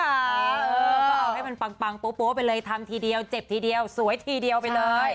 เออก็เอาให้มันปังโป๊ะไปเลยทำทีเดียวเจ็บทีเดียวสวยทีเดียวไปเลย